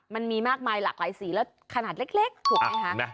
มันมีมากมายหลากหลายสีแล้วขนาดเล็กถูกไหมคะ